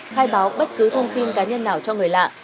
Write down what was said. khai báo bất cứ thông tin cá nhân nào cho người lạ